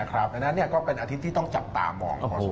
ดังนั้นก็เป็นอาทิตย์ที่ต้องจับตามอง